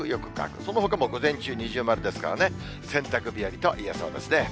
そのほかも午前中、二重丸ですからね、洗濯日和といえそうですね。